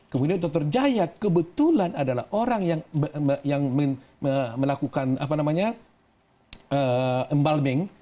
kemudian dr jaya kebetulan adalah orang yang melakukan embalming